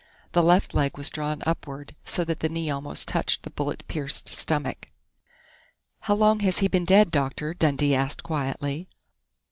The left leg was drawn upward so that the knee almost touched the bullet pierced stomach. "How long has he been dead, doctor?" Dundee asked quietly.